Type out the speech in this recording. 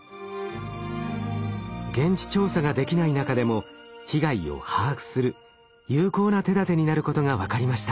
現地調査ができない中でも被害を把握する有効な手だてになることが分かりました。